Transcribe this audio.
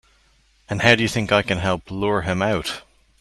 And how do you think I can help lure him out?